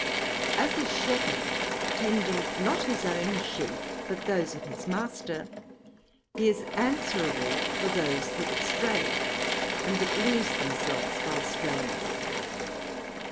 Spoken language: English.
As a shepherd tending not his own sheep but those of his master, he is answerable for those that stray, and that lose themselves by straying.